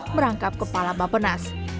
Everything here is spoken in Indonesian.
merangkap kepala bapenas